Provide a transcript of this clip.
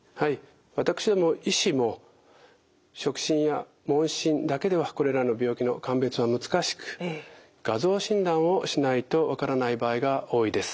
私ども医師も触診や問診だけではこれらの病気の鑑別は難しく画像診断をしないと分からない場合が多いです。